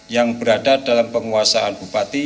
yang berada dalam penguasaan bupati